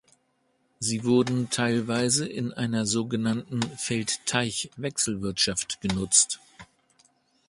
Sie wurden teilweise in einer sogenannten Feld-Teich-Wechselwirtschaft genutzt.